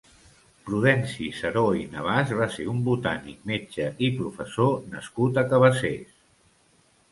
Prudenci Seró i Navàs va ser un botànic, metge i professor nascut a Cabassers.